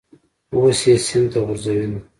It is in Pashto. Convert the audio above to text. اوس یې سین ته غورځوینه.